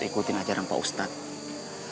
ikuti ajaran pak ustadz